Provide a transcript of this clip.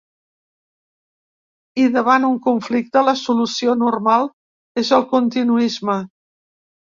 I davant un conflicte, la solució ‘normal’ és el continuisme’.